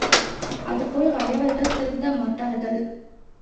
அதுபோல் கயவர்கள் திருந்த மாட்டார்கள்.